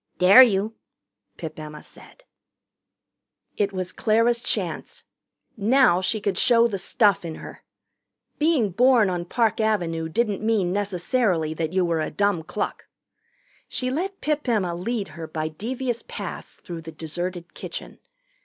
"Dare you!" Pip Emma said. It was Clara's chance. Now she could show the stuff in her. Being born on Park Avenue didn't mean necessarily that you were a dumb cluck. She let Pip Emma lead her by devious paths through the deserted kitchen.